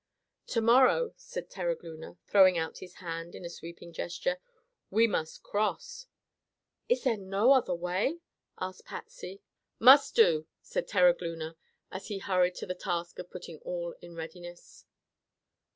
"To morrow," said Terogloona, throwing out his hand in a sweeping gesture, "we must cross." "Is there no other way?" asked Patsy. "Must do!" said Terogloona as he turned to the task of putting all in readiness.